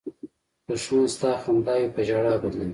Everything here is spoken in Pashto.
دښمن ستا خنداوې په ژړا بدلوي